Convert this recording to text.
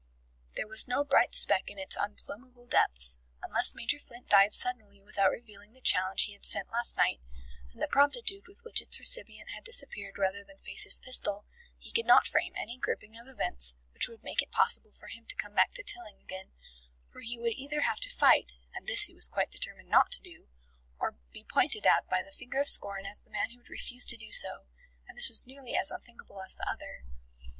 There was no bright speck in its unplumbable depths: unless Major Flint died suddenly without revealing the challenge he had sent last night, and the promptitude with which its recipient had disappeared rather than face his pistol, he could not frame any grouping of events which would make it possible for him to come back to Tilling again, for he would either have to fight (and this he was quite determined not to do) or be pointed at by the finger of scorn as the man who had refused to do so, and this was nearly as unthinkable as the other.